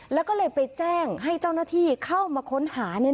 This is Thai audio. แล้วก็เลยไปแจ้งให้เจ้าหน้าที่เข้ามาค้นหา